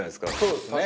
そうですね。